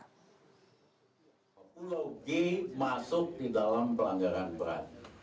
logi masuk di dalam pelanggaran berat